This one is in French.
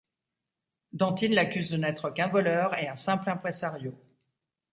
Dantine l'accuse de n'être qu'un voleur et un simple imprésario.